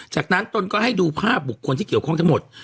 จากนั้นตนก็ให้ดูภาพบุคคลที่เกี่ยวข้องทั้งหมด